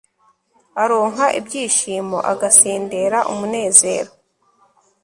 aronka ibyishimo, agasendera umunezero